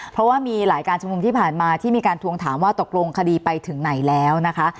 เพราะว่ามีหลายการชุมนุมที่ผ่านมาที่มีการทวงถามว่าตกลงคดีไปถึงไหนแล้วนะคะ